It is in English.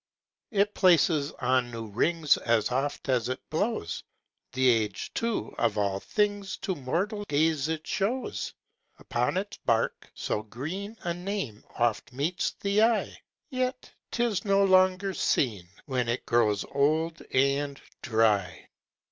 It places on new rings As often as it blows; The age, too, of all things To mortal gaze it shows. Upon its bark so green A name oft meets the eye, Yet 'tis no longer seen, When it grows old and dry.